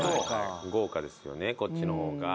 豪華ですよねこっちの方が。